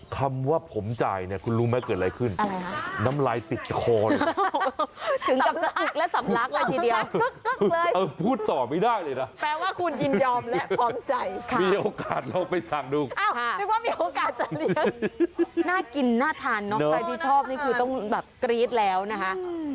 คำว่าผมจ่ายเนี่ยคุณรู้ไหมเกิดอะไรขึ้นน้ำลายติดคอเลยถึงกับสะอึกและสำลักเลยทีเดียวพูดต่อไม่ได้เลยนะแปลว่าคุณยินยอมและพร้อมใจค่ะมีโอกาสลองไปสั่งดูอ้าวนึกว่ามีโอกาสจะเลี้ยงน่ากินน่าทานเนอะใครที่ชอบนี่คือต้องแบบกรี๊ดแล้วนะคะ